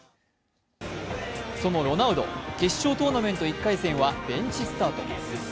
そのロナウド、決勝トーナメント１回戦はベンチスタート。